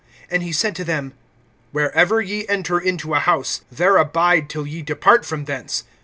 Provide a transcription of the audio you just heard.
(10)And he said to them: Wherever ye enter into a house, there abide till ye depart from thence.